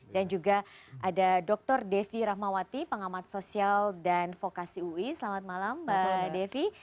juga ada dr devi rahmawati pengamat sosial dan vokasi ui selamat malam mbak devi